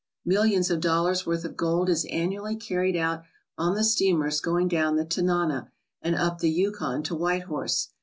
Millions of dollars' worth of gold is annually carried out on the steamers going down the Tanana and up the Yukon to White Horse.